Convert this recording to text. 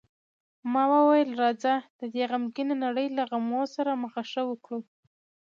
ما وویل: راځه، د دې غمګینې نړۍ له غمو سره مخه ښه وکړو.